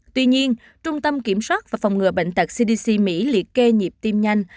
tuy nhiên trung tâm kiểm soát và phòng ngừa bệnh tật cdc mỹ liệt kê nhịp tim nhanh